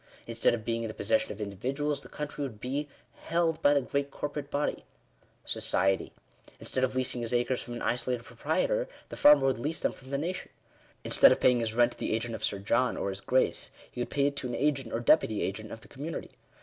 Instead of being in the possession of individuals, the country would be j he held by the great corporate body — Society. Instead of' leasing his acres from an isolated proprietor, the farmer would lease them from the nation. Instead of paying his rent to the agent of Sir John or his Grace, he would pay it to an agent or deputy agent of the community.